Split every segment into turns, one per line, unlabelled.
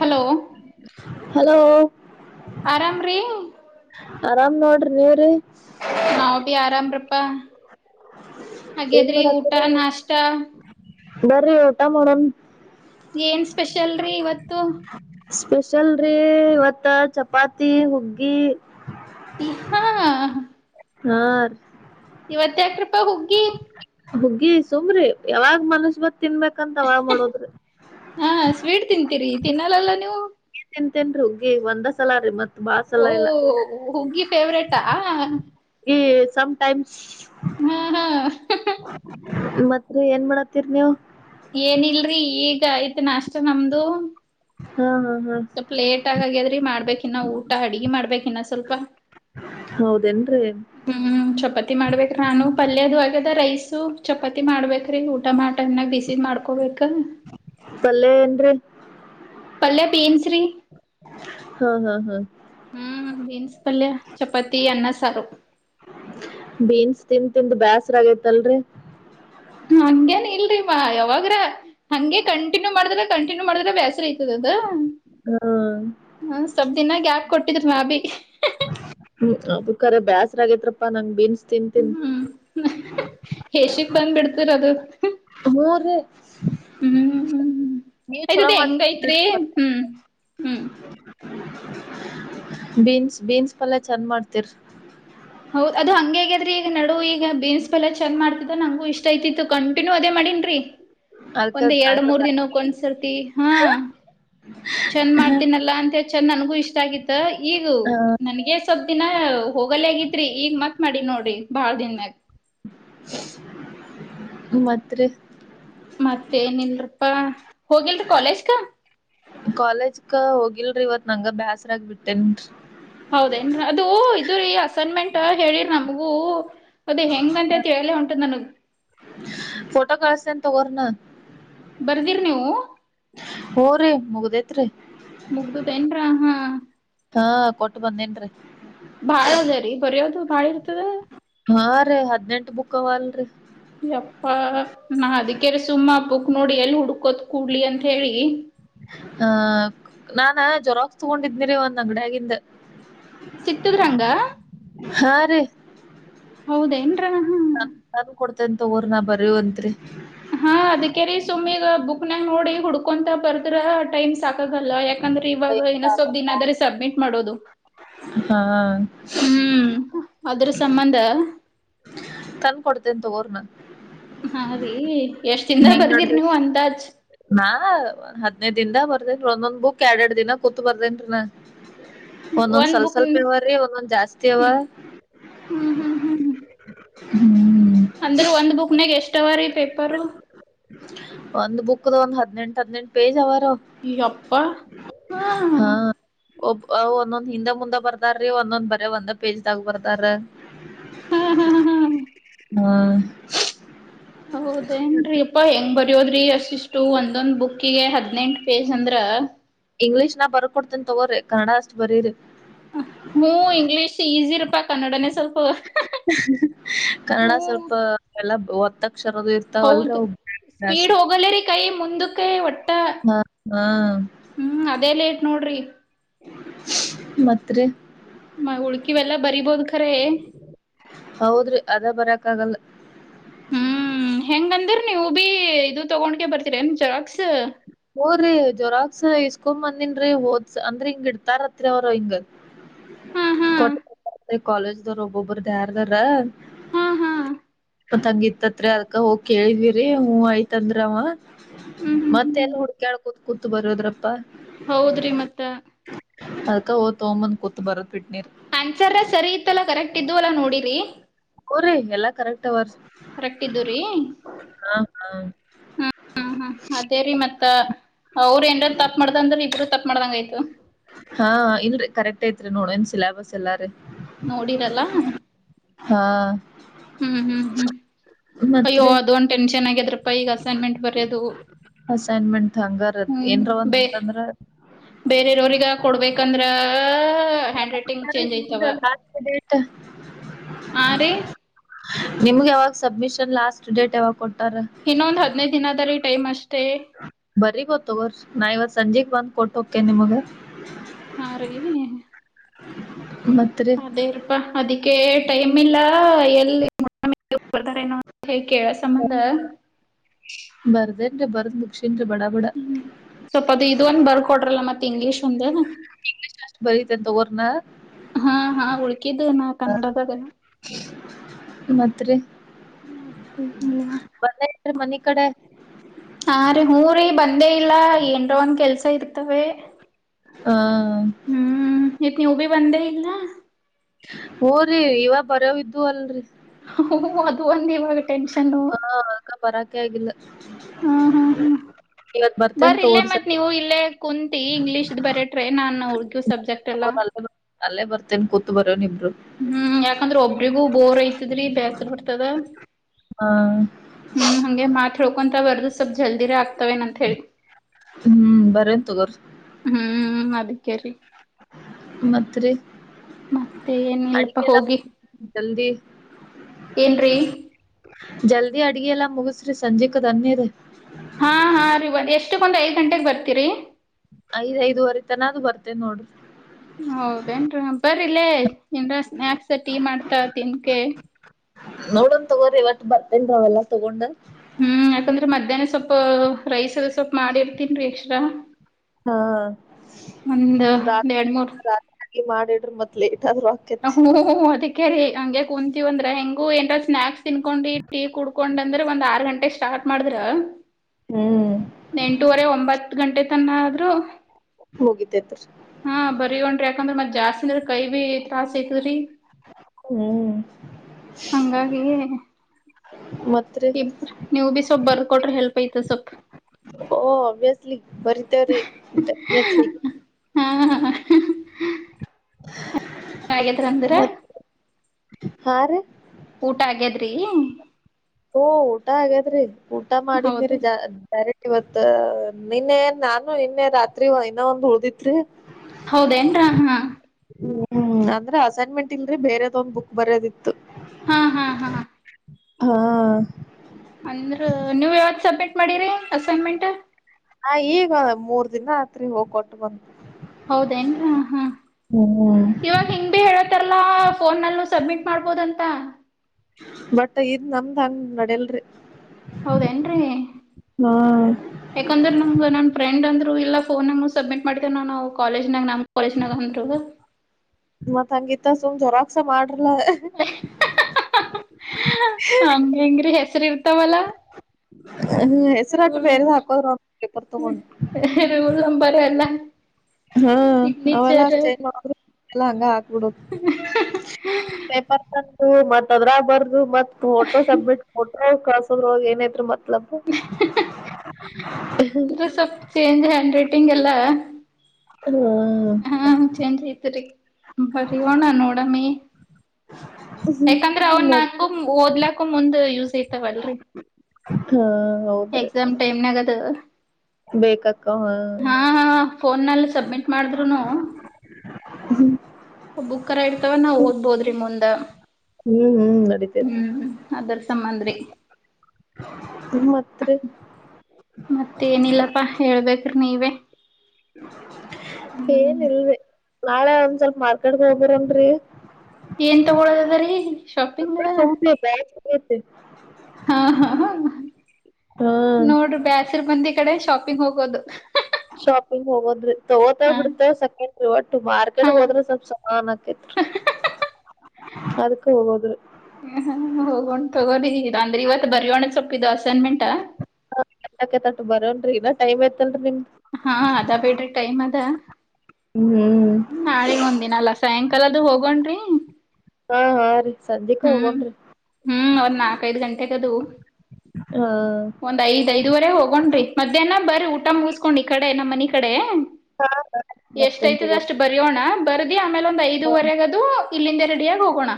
Hello
hello
ಆರಾಮ್ ರಿ
ಆರಾಮ್ ನೋಡ್ರಿ ನೀವ್ರಿ
ನಾವ ಬಿ ಆರಾಮ್ರಪ್ಪಾ
ಏನ್
ಹಾಗೇದ್ರಿ ಊಟ
ಮಾಡತ್ತರಿ
ನಾಷ್ಟ
ಬರ್ರಿ ಊಟ ಮಾಡುನ್
ಏನ್ ಸ್ಪೆಷಲ್ ರೀ ಇವತ್ತು
[unintelligible] ಸ್ಪೆಷಲ್ರಿ ಇವತ್ತ ಚಪಾತಿ ಹುಗ್ಗಿ
ಹಾ
ಹಾ
ಇವತ್ತ ಯಾಕ್ರೀಪಾ ಹುಗ್ಗಿ
ಹುಗ್ಗಿ ಸುಮ್ರಿ ಯಾವಾಗ್ ಮನುಷ ಬತ್ ತಿನ್ಬೇಕಂತ ಅವಾಗ ಮಾಡೋದ್ರಿ
ಹಾ ಸ್ವೀಟ್ ತಿಂತೀರಿ ತಿನ್ನಲ್ಲಲ್ಲ ನೀವು
ತಿಂತೇನ್ ರ ಹೋಗಿ ಒಂದ ಸಲ ರೀ ಮತ್ತ
ಓ ಹುಗ್ಗಿ ಫೇವ್ರೇಟಾ
ಈ ಸಮಟೈಮ್ಸ್
ಹಾ
ಮತ್ ಏನ್ ಮಾಡ ತಿರ್ ನೀವು
ಏನಲ್ರಿ ಈಗ ಐ್ತ ನ ಅಷ್ಟ ನಮ್ದು
ಹ ಹ್ ಹ
ಪ್್ಲೇಟ್ ಆಗ್ಯಾದ್ರಿ ಮಾಡ್ಬೇಕು ಇನ್ನುವುಊಟ ಅಡ್ಗೆ ಮಾಡ್ಬೇಕಿನ ಸ್ವಲ್ಪ
ಹೌದೇನ್ರಿ
ಹೂ ಚಪಾತಿ ಮಾಡ್ಬೇಕು್ರೀ ನಾನು ಪಲ್ಯದ ಆಾಗದ ರೈಸು ಚಪಾತಿ ಮಾಡ್ಬೇಕ್ರೀ ಊಟಮಾಟನಾಗ ಬಿಸಿಿದ ಮಾಡ್ ಹಾಕೋಬೇಕು
ಪಲ್ಲೆ ಅಏನ್್ರೆ
ಪಲ್ಲಯ ಪೀನ್ಸರಿ
ಹಾ ಹಾ ಹಾ
ಹಹೂ ಬೀನ್ಸ್ ಪಲ್ಯ ಚಪಾತಿ ಅನ್ನ ಸಾರು
ಬೀನ್ಸ್ ತಿಿಂದ ತಿಿಂದ ಬೇಾಸ್ರಗೈತ್ಲ್ರಿ
ಹಂಗೇನು ಇಲ್ಲ ಲ್ೀಮ್ಮ ಯಾವಾಗ್ರ ಹಂಗೆ ಕಂಟಿನ್ಯೂ ಮಾಡಿದ್ರೆ ಕಂಟಿನ್ಯೂ ಮಾಡಿದ್ರೆ ಬೇಸರಿ ಆಯ್ತದ ಅದ
ಹೂ
ಹೂ ಸ್ವಲ್ ದಿನ ಗ್ಯಾಪ್ ಕೊಟ್ಟಿದ್ರ ಮ್ಯಾಬಿ
ಹೂ ಅ ಕಖರೆ ಬೇಾಸ್ರ ಆಗೇತ್ಪ್ಪಾ ನಂಗ ಬೀನ್ಸ್ ತಿನ್ ತಿನ್
ಹೂ ಯಶಕ್ ಬಂದ್ಬಿಡ್ತೀರ ಅದು
ಮೂರು
ಹೂ ಹೂ
ನೀವ್ ಚಲೋ
ಆಯ್ತದ ಹೆಂಗ
ಮಾಡ್ತೀರ್
ಐತ್ರಿ
ಬಿಡ್ರಿ ಪಲ್ಯ.
ಹೂ ಹೂ
ಬೀನ್ಸ್ ಬೀನ್ಸ್ ಪಲ್ಲಾ ಚಂದ ಮಾಡ್ತೀರ್
ಹೌದ ಅದು ಹಂಗ್ಯಾದ್ರಿ ಈಗ ನಡು ಈಗ ಬೀನ್ಸ್ ಪಲ್ಲ ಚಂದ ಮಾಡ್ತಿದ್ದ ನಂಗು ಇಷ್ಟ ಯತಿತ್ತು ಕಂಟಿನ್ಯೂ ಅದೇ ಮಾಡನ್ರೀ
ಅದ್ಕ
ಒಂದ್ ಎರಡ್
ಅದ್ಕ
ಮೂರ್ ದಿನಕ್ಕನ್ಸರ್ತಿ ಹಾ ಚಂದ್ ಮಾಡ್ತೀನಲ್ಲ ಅಂತ ಚಂದ ನನಗೂ ಇಷ್ಟ ಆಗಿತ್ತ ಈಗ ನನ್ಗೆ ಸ್ವಲ್ ದಿನ ಹೋಗಲ್ ಆಗತ್ರಿ ಈಗ ಮತ್ ಮಾಡಿ ನೋಡ್ರಿ ಬಾಳ ದಿನ್ಯಾಗ
ಮತ್ರೀ
ಮತ್ತೇನಿಲ್ರಪ್ಪಾ ಹೋಗಿಲ್ರಿ ಕಾಲೇಜ್ ಕ
ಕಾಲೇಜ್ ಕ ಹೋಗಿಲ್ರಿ ಇವತ್ ನಂಗ ಬ್ಯಾಸ್ರಾಗ ಬಿಡ್ತೇನ್ರಿ
ಹೌದೇಏನ್ ಅದು ಇದ್ರ ಈ ಅಸೈನ್ಮೆಂಟ್ ಹೇಳಿ ನಮಗೂ ಅದೇ ಹೆಂಗ ಅಂತ ಕೇಳೇ ಉಂಟದ್ ನನಗ್
ೋಟೋ ಕಳಸನಂತ ಊರ್ ನ
ಬರ್ದಿರಿ ನೀವು
ಹ ರ ಮುಗ್ಡಿತಿ ರಿ
ಮುಗ್ದದೇನ್ರ ಹಾ
ಹಾ ಕೊಟ್ಟು ಬಂದೇನ್ರಿೀ
ಬಾಳ ಅದೇ ರೀ ಬರಯೋದು ಬಾಳ ಇರ್ತದ
ಹಾ ರೀ ಹದ್ಿನೆಂಟು ಬುಕ್ ಅವ ಅಲ್ರರಿ
ಯಪ್ಪಾ ನಾ ಅದಕ್ಕೆರೆ ಸುಮ್ಮ ಹಪ್ಪಕ್ ನೋಡಿ ಎಲ್ಲಿ ಹುಡ್ಕೋತ್ ಕೂಡ್ಲಿ ಅಂತ ಹೇಳಿ
ಆಹ ನಾನ ಜ್ವರಾಗಸ್ ತಗೊಂಡಿದ್ನಿರಿ ಒಂದ್ ಅಂಗಡಿಯಾಗಿಿಂದ
ಸಿತ್ತದ್ರಂಗ
ಹಾ ರೀ
ಹೌದೇನ್ರ ಹೂ
ಕಾಪಿ ಕೊಡ್ತೀನಿ ತಗೊಳ್ರಿ ನಾ ಬರುವಂತ್ರಿ
ಹಾ ಅದಕೆ ರೀ ಸುಮ್ಮಿಗ ಬುಕ್ನಾಗ ನೋಡಿ ಹುಡ್ಕೊಂತ ಬರದೂರ ಟೈಮ್ ಸಾಕಾಗಲ್ಲ ಯಾ ಕಂದ್ರ ಇವಾಗ ಇನ್ನ ಸ್ವಲ್ಪ್ ದಿನ ಅದರಿ ಸಬ್ಮಿಟ್ ಮಾಡೋದು.
ಹಾ
ಹ್ಮ್ ಅದ್ರ ಸಂಬಂಧ.
ತಂದ ಕೊಡ್ತೇನ ತಗೋರ್ ನಾ.
ಹಾ ರೀ ಎಷ್ಟ ದಿನದಾಗ
ಹೆಂಗ್ ನಡ್ದೈತ್
ಬರದಿರಿ ನೀವು ಅಂದಾಜ್.
ನಾ ಹದನೈದ ದಿನದಾಗ ಬರದೇನ್ರೀ ಒಂದೊಂದ್ ಬುಕ್ ಎರಡ್ ಎರಡ್ ದಿನ ಕುಂತು ಬರೆದೇನ್ರೀ ನಾ. ಒಂದೊಂದ್
ಒಂದ್
ಸ್ವಲ್ಪ
ಬುಕ್
ಸ್ವಲ್ಪ
ಹ್ಮ್
ಇವರೀ ಒಂದೊಂದ್ ಜಾಸ್ತಿ ಅವಾ.
ಹ್ಮ್ ಹ್ಮ್ ಹ್ಮ್
ಹ್ಮ್
ಅಂದ್ರ ಒಂದು ಬುಕ್ ನಾಗ್ ಎಷ್ಟ ಅವರೀ ಪೇಪರು.
ಒಂದ್ ಬುಕ್ದ ಒಂದ್ ಹದ್ನೆೆಂಟ ಹದ್ನೆೆಂಟ ಪೇಜ್ ಅವರಿ ಅವು.
ಯಪ್ಪಾ ಹಾ.
ಒಬ್ಬ ಒಂದೊಂದ್ ಹಿಂದೆ ಮುಂದ ಬರದಾರಿ ಒಂದೊಂದ್ ಬರೇ ಒಂದ್ ಪೇಜದಾಗ ಬರ್ದಾರ್.
ಹ್ಮ್ ಹ್ಮ ಹ್ಮ್
ಹಾ
ಹೌದ ಏನ್ರಿ ಎಪ್ಪಾ ಹೆಂಗ್ ಬರದರಿ. ಬರಿಯೋದ್ರಿ ಅಷ್ಟಿಷ್ಟು ಒಂದೊಂದ್ ಬುಕ್ಕಿಗೆ ಹದ್ನೆಂಟು ಪೇಜ್ ಅಂದ್ರ.
ಇಂಗ್ಲೀಷ್ನಾ ಬರದ ಕೊಡ್ತೇನ್ ತಗೋರಿ ಕನ್ನಡ ಅಷ್ಟ ಬರೀರಿ.
ಹ್ಞೂ ಇಂಗ್ಲೀಷ್ ಈಸಿರಪ್ಪಾ ಕನ್ನಡನೇ ಸ್ವಲ್ಪ.
ಕನ್ನಡ
ಹ್ಮ್
ಸ್ವಲ್ಪ ಎಲ್ಲಾ ಒತ್ತಕ್ಷರದು ಇರ್
ಹೌದು ಸ್ಪೀಡ್ ಹೋಗಲ್ಲೇರಿ ಕೈ ಮುಂದಕ್ಕೆ ಒಟ್ಟ.
ಹ ಹಾ.
ಹ್ಮಅದೇ ಲೇಟ್ ನೋಡ್ರರಿ.
ಮತ್ತರಿ.
ಮ ಉಳ್ಕಿವೆಲ್ಲಾ ಬರಿಬೋದ್ ಖರೆ.
ಹೌದ್ರಿ ಅದ ಬರ್ಯಾಕ್ ಆಗಲ್ಲ.
ಹ್ಮ್ ಹೆಂಗ ಅಂದ್ರ ನೀವು ಬಿ ಇದು ತಗೊಂಡಕೆ ಬರ್ತೀರಿ ಜೆರಾಕ್ಸ್.
ಹೂ ರಿ ಜೆರಾಕ್ಸ್ ಇಸ್ಕೊಡ ಬಂದಿನ್ರಿ ಓದ್ ಅಂದ್ರ ಈಗ ಬಿಡ್ತಾರತ್ರಿ ಅವ್ರು ಹಿಂಗ.
[unintelligible] ಹಾ
ಕೊಟ್ಟ ಈ ಕಾಲೇಜದವರ ಒಬ್ರು ಒಬ್ರುದ ಯಾರದ ಅರಾ.
ಹಾ ಹಾ
ತ್ಂಗ ಇತ್ತತ್ರಿ ಅದಕ ಹೋಗಿ ಕೇಳಿದ್ವಿರಿ ಹೂ ಆಯ್ತಂದರಿ ಅವ.
ಹ್ಮ್ ಹ್ಮ್
ಮತ್ತ
ಹ್ಮ್
ಎಲ್ಲಿ ಹೂಡುಕ್ಯಾಡ್ಕೊಂತ ಕುಂತು ಬರ್ಯೋದ್ರಪ್ಪ.
ಹೌದ್ರಿ ಮತ್ತ.
ಅದಕ ಹೋಗಿ ತೊಗೊಂಡ ಬಂದ ಕುಂತ ಬರದ ಬಿಟ್ನಿರಿ.
ಆನ್ಸರಾ ಸರಿ ಇತ್ತಲ್ಲ ಕರೆಕ್ಟ್ ಇದ್ದುವಲ್ಲಾ ನೋಡಿರಿ.
ಹೂ ರಿ ಎಲ್ಲಾ ಕರೆಕ್ಟ್ ಅವ
ಕರೆಕ್ಟ್ ಇದ್ದುರಿ
ಹ ಹಾ
ಹ್ಮ್ ಹ್ಮ್ ಹ್ಮ್ ಅದೇ ರೀ ಮತ್ತ. ಅವ್ರು ಏನರ ತಪ್ಪ ಮಾಡ್ದ ಅಂದ್ರ ಇಬ್ಬರು ತಪ್ ಮಾಡ್ದಂಗ ಆಯತು.
ಹಾ ಇಲ್ರಿ ಕರೆಕ್ಟ್ ಐತ್ರಿ ನೋಡೆನ್ ಸಿಲಾಬಸ್ ಎಲ್ಲಾರೀ.
ನೋಡಿರಲ್ಲ ಹ್ಮ್
ಹಾ
ಹ್ಮ್ ಹ್ಮ್. ಅಯ್ಯೋ
ಮತ್ರಿ
ಅದ ಒಂದ ಟೆನ್ಶನ್ ಆಗ್ಯದ್ರಪ್ಪಾ ಈಗ ಅಸೈನ್ಮೆಂಟ್ ಬರ್ಯೋದು.
ಅಸೈನ್ಮೆಂಟ್ ಹಂಗರಿ ಅದ ಏನ್ರ ಒಂದ ಇತ್ತ ಅಂದ್ರ.
ಬೇರೆೆಯರವ್ರಗ ಕೊಡ್ಬೇಕಂದ್ರ... ಹ್ಯಾಂಡ್
ಯಾವಾಗ
ರೈಟಿಂಗ್
ಕೊಟ್ಟಾರಿ
ಚೇಂಜ್ ಐತವ
ನಿಮ್ದು ಲಾಸ್ಟ್ ಡೇಟ್.
ಆ ರೀ
ನಿಮ್ಗ ಯಾವಾಗ ಸಬ್ಮಿಷನ್ ಲಾಸ್ಟ್ ಡೇಟ್ ಯಾವಾಗ ಕೊಟ್ಟಾರಿ
ಇನ್ನೊಂದು ಹದಿನೈದು ದಿನ ಅದರೀ ಟೈಮ್ ಅಷ್ಟೇ.
ಬರಿ ಗೊತ್ತಗರ್ ನಾ ಇವಾಗ ಸಂಜೆಗ್ ಬಂದ್ ಕೊಟ್ಟು ಹೋಗತ್ತೀನಿ ನಿಮಗ
ಅವರಿಗೇ
ಮತ್ತ್ ರೀ
ದೇವ್ರಪ್ಪ ಅದಕ್ಕೆ ಟೈಮ್ ಇಲ್ಲ ಎಲ್ಲಿ ಮ ಹೊರಗಡೆ [unintelligible] ಸಂಬಂಧ
ಬರ್ದೇನ್ರಿ ಬರ್ದ್ ಮುುಕ್ಷೇನ್ರಿ ಬಡ ಬಡ
ಸ್ವಲ್ಪ ಅದು ಇದೊಂದು ಬರ್ಕೊಡ್ರಿ ಮತ್ ಇಂಗ್ಲೀಷ್ ಒಂದು
ಅಷ್ಟ್ ಬರೀತೇನ್ ತಗೋರ್ ನಾ
ಹಾ ಹಾ ಉಳ್ಕಿದ್ದು ನ ಕನ್ನಡದಾಗನ
ಮತ್ ರೀ
ಮತ್ತೆ ಇಲ್ವಾ
ಬಂದೆ ಇಲ್ಲ ಮನಿ ಕಡೆ
ಹ ರೀ ಹುಂ ರೀ ಬಂದೇ ಇಲ್ಲ ಏನ್ರ್ ಒನ್ ಕೆಲಸ ಇರ್ತವೆ.
ಹಾ
ಹ್ಮ್ ಯಾಕೆ ಯೂವಿ ಬಂದೇ ಇಲ್ಲ.
ಹ್ಮ್ ರೀ ಇವಾಗ ಬರೋವು ಇದ್ವ್ ಅಲ್ರೀ
ಹ್ ಹ್ ಅದು ಒಂದ್ ಇವಾಗೆ ಟೆನ್ಷನ್
ಹಾ ಅದ್ಕ ಬರಾಕೆ ಆಗಿಲ್ಲ
ಹ್ಮ್ ಹ್ಮ್ ಹ್ಮ್
ಇವತ್ ಬರ್ತೇನ್
ಬರೀ ಇಲ್ಲೇ
ತಗೋರಿ
ಮತ್
ಸಂಜಿ
ನೀವು ಇಲ್ಲೇ ಕುಂತಿ ಇಂಗ್ಲೀಷ್ ಬರೀ ಟ್ರೈನ್ ಅನ್ನು ಹುಡುಗಿ ಸಬ್ಜೆಕ್ಟ್ ಎಲ್ಲಾ
ಅಲ್ಲ ಅಲ್ಲೇ ಬರ್ತೇನ್ ಕೂತ್ ಬರಿಯೋಣ ಇಬ್ಬರು.
ಹ್ಮ್ ಯಾಕಂದ್ರೆ ಒಬ್ಬರಿಗೂ ಬೋರ್ ಐತದ್ರಿ ಬೇಸರ್ ಬಿಡ್ತದ.
ಹಾ
ಹ್ಮ್ ಹಂಗೆ ಮಾತ್ ಹೇಳ್ಕೊಂತ ಬರ್ದು ಸ್ವಲ್ಪ ಜಲ್ದಿರೇ ಆಗ್ತವೇನ್ ಅಂತ ಹೇಳಿ.
ಹ್ಮ್ ಬರೀಯೊಣ ತಗೋರ್ ರೀ.
ಹ್ಮ್ ಅದಕ್ಕೆ ರೀ.
ಮತ್ ರೀ
ಮತ್ತೆ ಏನಿಲ್ಲಪಾ
ಅಡಿಗೆಲ್ಲ
ಹೋಗಿ
ಜಲ್ದಿ.
ಏನ್ರೀ.
ಜಲ್ದಿ ಅಡಿಗೆ ಎಲ್ಲಾ ಮುಗಸ್ರಿ ಸಂಜೆ ಕ ತನ್ನೆ ಇರೆ.
ಹಾ ಹಾ ರೀ ಒಂದ್ ಎಷ್ಟಕ್ಕೊಂದು ಐದು ಗಂಟೆಗೆ ಬರ್ತೀರಿ.
ಐದ್ ಐದುವರೆ ತನ ಆದ್ರೂ ಬರ್ತೀನ್ ನೋಡ್ರಿ.
ಹೌದೇನ್ ರೀ ಬರಿಲ್ಲೇ ಏನ್ರ ಸ್ನ್ಯಾಕ್ಸ್ ಟೀ ಮಾಡ್ತಾತಿನ್ಕೆ.
ನೋಡನ್ ತಗೋರಿ ಇವತ್ತು ಬರ್ತೀನ್ ರೀ ಅವೆಲ್ಲಾ ತಗೊಂಡ್.
ಹ್ಮ್ ಯಾಕಂದ್ರೆ ಮಧ್ಯಾಹ್ನ ಸ್ವಲ್ಪ ರೈಸ್ ಎಲ್ಲಾ ಸ್ವಲ್ಪ ಮಾಡಿರ್ತೀನ್ ರೀ ಎಕ್ಸ್ಟ್ರಾ.
ಹಾ
ಒಂದ್ ಒಂದ್
ರಾತ್
ಎರಡ್ ಮೂರ್
ರಾತ್ರಿ ಮಾಡಿಡ್ರಿ ಮತ್ ಲೇಟ್ ಆದ್ರಾ.
ಹ್ಮ್ ಹುಹುಹು ಅದಕೆ ರೀ ಹಂಗೆ ಕುಂತೀವಿ ಅಂದ್ರೆ ಹೆಂಗು ಏನ್ರ ಸ್ನಾಕ್ಸ್ ತಿನ್ಕೊಂಡ್ರಿ ಟೀ ಕುಡ್ ಕೊಂಡಂದ್ರೆ ಒಂದ್ ಆರ್ ಗಂಟೆ ಸ್ಟಾರ್ಟ್ ಮಾಡಿದ್ರ
ಹ್ಮ್
ಎಂಟುವರೆ ಒಂಬತ್ ಹತ್ತು ಗಂಟೆ ತನ ಆದ್ರೂ.
ಮುಗಿತೈತೆ ರೀ
ಹಾ ಬರವಂತ್ರಿ ಯಾಕಂದ್ರೆ ಮತ್ ಜಾಸ್ತಿ ಅಂದ್ರೆ ಕೈ ಬಿ ತ್ರಾಸ್ ಐತದ್ರೀ.
ಹ್ಮ್
ಹಾಗಿ
ಮತ್ತರೀ.
ನೀವು ಬಿ ಸ್ವಲ್ಪ ಬರ್ಕ ಕೊಟ್ರೆ ಹೆಲ್ಪ್ ಐತೆ ಸ್ವಲ್ಪ.
ಓ ಅಬಿಯಸ್ಲಿ ಬರತೀವ್ರಿ ಡಿಫೆನ್ಟಲಿ.
ಹಾ ಹಾ.
[unintelligible]
ಹಾಗಿಲ್ಲ ಅಂದ್ರೆ.
ಮತ್ ಹಾ ರೀ
ಊಟ ಆಗ್ಯದ್ರಿ.
ಹಓ ಊಟ ಆಗ್ಯತ್್ರೀ ಊಟ ಮಾಡಿದ್್ಮಿರಿ
ಹೌದೇನ್
ಜಾ ಸರಿ ಇವತ್ ನಿನ್ನೆ ನಾನು ನಿನ್ನೆ ರಾತ್ರಿ ಇನ್ನ ಒಂದು್ ಉಳ್ದಿತ್ರಿ
ಹೌದೇನ್ರ
ಹ
ಹಾ
ಹೂ ಹೂ ಅಂದ್ರ ಅಸೈನ್ಮೆಂಟ್ ಇಲ್ರಿೀ ಬೇರೆದ್ ಒಂದ್ ಬುಕ್ ಬರೋದಿತ್ತು
ಹ್ ಹ ಹ
ಹಾ
ಅಂದ್ರ ನೀವ ಯಾವತ್ ಸಬ್ಮಿಟ್ ಮಾಡಿರಿ ಅಸೈನ್ಮೆಂಟ್
ಹಾ ಈಗ ಮೂರ್ ದಿನ ಅತ್ರಿ ಹೋಗ್ಕೊಟ್ಟು ಬಂದ
ಹೌದೇನ್ರ ಹ
ಹ್ಮ್
ಇವಾಗ ನಿಂಗ್ ಭ ಹೇಳತಾರಲ್ಲಾ ಫೋನ್ಲ್ಲೂ ಸಬ್ಮಿಟ್ ಮಾಡ್ಬೋದ ಅಂತ
ಬಟ್ ಇದ್ ನಮ್ದ್ ಹಂಗ ನಡಲ್ರಿ
ಹೌದ ಏನ್ ರಿ ಯಾಕಂದ್ರ ನಮ್ ನ ಫ್ರೆ್ಂದ್ರು ಇಲ್ಲ ಫೋನ ನ ಸಬ್ಮಿಟ್ ಮಾಡ್ೇವ ನವು ಕಾಲೇಜ್ನ ನಮ ಕಾಲೇಜ್ ಗ ಅಂದ್ರೂ
ಮತ್ತ್ ಹಂಗಿತ್ತ ಸುಮ್ ಜರಾಕ್ಸ ಮಾಡ್ರಲ
ಹಂಗ ಹೆಂಗ್ರೀ ಹೆಸರಿ ಇರ್ತಾವಲ್ಲ
ಹೂ ಹೆಸರುಾಟ್ಟು ಬೇರೆ ಹಾಕೋದ್ರು ಪೇಪರ್ ತಗೊಂಡು
ರೂಲ್ ಬರಲ್ಲ
ಹಾ ಅವೆಲ್ಲ ಅಷ್ಟೇಜ್ ಮಾಡ ಹಂಗ ಹಾಕ್ಬಿಡದು ಪೇಪರ್ ಹ ಮತ್ ಅದ್ರ ಬರ್ ಮತ್ ಫೋಟೋ ಸಬ್ಮಿಟ್ ಫೋಟೋ ಕಳಸೋದ್ರ ಏನಐತ್ ಮತ್ ಮ ಲು
ದು ಸ ಚೇಂಜ್ ಹ್ಯಾಂಡ್ ರೈಟಿಂಗ್ ಎಲ್ಲ
ಹೂ
ಹಾ ಚೇಂಜ್ ಐತ್ರಿ ಬರಿ ಹೋಣ ನೋಡಮ್ಮಿ ಯಾಕಂದ್ರೆ ಅವ್ನ್ ನಾಕು ಓದ್ಲಕ್ಕು ಮುಂದ್ ಯೂಸ್ ತಗಲ್ರಿ
ಹಾ ಹೌದ್ರಿ
ಎಕ್ಸಾಮ್ ಟೈಮ್ ನಾಗದು ಹಾ ಹ ಫೋನ್ಲ್ಲಿ ಸಬ್ಮಿಟ್ ಮಾಡಿದ್ರುನು
ಹೂ
ಒಬ್ಬು ಕರ ಇರ್ತವ ನಾವ್ ಓದ್ಬೋದ್ರಿ ಮುಂದ
ಹ್ಮ್ ಹ್ಮ್ ನಡಿತೇತ್ರಿ
ಹೂ ದ ಸಂಬಂದ್ರಿ
ಮಾತ್ರಿ
ಮತ್ತ ಏನಿಲ್ಲಪ್ಪಾ ಹೇಳ್ಬೇಕ್ರಿ ನೀವೇ ಹ್ಮ್
ಏನಲ್ರಿ ನಾಳೆ ಒಂದ್ ಸ್ವಲ್ಪ ಮಾರ್ಕೆಟ್ಗೆ ಹೋಗ್ಬೇರನ್ರರಿ
ಏನ್ ತಗೊಳೋದ ಅದ ರೀ ಶಾಪಿಂಗ್ ಹೊಳಗ
ವ್ಯಾಗ
ಹಾ ಹಾ
ಹಾ
ನೋಡ್ರಿ ಬೇಾಸರಿ ಮಂದಿ ಕಡೆ ಶಾಪಿಂಗ್ ಹೋಗೋದು
ಶಾಪಿಂಗ್ ಹೋಗೋದ್ರಿ ತಗೋತ
ಹಾ
ಬಿಡ್ತಾವ ಸಕೇನ್ರಿ ಒಟ್ಟು ಮಾರ್ಕೆಟ್
ಹಾ
ಹೋದ್ರ ಸ್ವಲ್ಪ್ ಸಮಾನನ್ ಆತೇತ್ರಿ ಅದಕ್ಕ ಹೋಗೋದು
ಹೂ ಹ ಹೋಗೊಂಡ್ ತಗೋಿ ಅಂದ್ರೆ ಇವತ್ ಬರಿರೋಣ ಸೊಪ್ಪಪಿದು ಅಸೈನ್ಮೆಂಟ್ಾ
ಹಾಕ ತಟ್ಟ ಬರೋನ್ರಿ ಇನಾ ಟೈಮ್ ಐತ್ತಲ್ರರಿ ನಿಮ್ದ್
ಹಾ ಅದ ಬಿೇಡ್ರಿ ಟೈಮ್ ಅದ
ಹ್ಮ್
ಹ ನಾಳಗ್ ಒಂದ ದಿನ ಅಲ್ಲ ಸಾಯಂಕಾಲದ ಹೋಗೊಂಡ್ರಿ
ಹಾ ಹಾ ರೀ ಸಂಜಿಕ ಹೋಗೋನ್ಿ
ಹು ಒಂದ ನಾಲ್ಕೈದು ಗಂಟೆಗದು.
ಹ
ಒಂದ್ ಐದ್ಐದುವರೆ ಹೋಗೊಂಡ್ರಿ ಮಧ್ಯಾಹ್ನ ಬರಿ ಊಟ ಮುಗಿಸಕೊಂಡ್ ಈ ಕಡೆ ನಮ್ಮ ಮನಿ ಕಡೆ.
ಹಾ ಬರ್ತೇನ್
ಎಷ್ಟಐತದ
ತಗೋರಿ
ಅಷ್ಟು ಬರಯೋಣ ಬರದಿ ಆಮೇಲೆ ಒಂದ ಐದುವರೆಗದ ದು ಇಲ್ಲಿಂದ ರೆಡ ಆಗಿ ಹೋಗೋಣ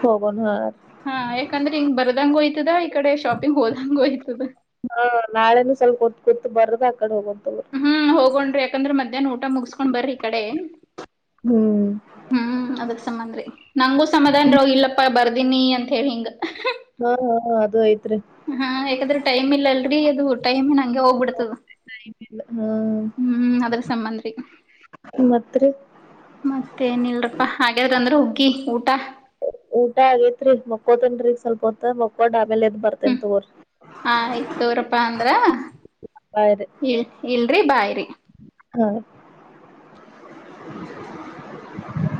ಹೋಗನ ಹಾರಿ
ಹಾ ಯಾಕಂದ್ರೆ ಹಿಂಗ್ ಬರ್ದಂಗೊಯ್ತದ ಈ ಕಡೆ ಶಾಪಿಂಗ್ ಹೋದಂಗೋಯ್ತದ.
ಹಾ ನಾಳೆನು ಸ್ವಲ್ಪತ್ ಕೂತ್ ಬರದ ಆಕಡೆ ಹೋಗತಗೋ
ಹ ಹೋಗೊಂಡ್ರಿ ಯಾಕಂದ್ರ ಮಧ್ಯಾಹ್ ಊಟ ಮುಗಸ್ಕೊಂಡ್ ಬರಿ ಈ ಕಡೆ
ಹು
ಹು ಅದಕ ಸಮಂದ್ರಿ ನಂಗೂ ಸಮಾಧನ ರ ಇಲ್ಲಪ್ಪಾ ಬರ್ದೀನಿ ಅಂತ ಹೇಳಿ ಹಿಂಗ
ಹಾ ಹಾ ಅದು ಐತ್ರಿ
ಹಾ ಯಾಕಂದ್ರ ಟೈಮ್ ಇಲ್ಲ ಅಲ್ಲಡ್ರಿ ಅದು ಟೈಮ್ ಇನ್ ಹಂಗೆ ಹೋಗ್ಬಿಡ್ತದ.
ಹ್ಮ್
ಹು ಅದರ ಸಮಂದ್ರಿ
ಮತ್ರಿ
ಮತ್ತ ಏನಲ್ರಪ್ಪಾ ಆಗ್ಯಾದೆಂಡ್ರಿ ಹುಗ್ಗಿ ಊಟ
ಊಟಾ ಆಗೇತ್ರಿ ಮಾಕೋತೇನರಿ ಸ್ವಲ್ಪ ಹೊತ್ತು ಮಕ್ಕೊಂಡ ಆಮೇಲೆ ಎದ್ ಬರ್ತೆನ ತೋರಿ
ಆಯತ್ ತೊರಪಾ ಅಂದ್ರ
ಬಾಯ್ ರಿ
ಇಲ ಇಲ್ಡ್ರಿ ಬಾಯರಿ
ಹು ತದ್ದ್ದ್ದ್ದ್ ಜೋಜಿಜ್ಜಜ್